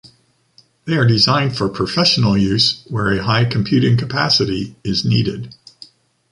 They are designed for professional use, where a high computing capacity is needed.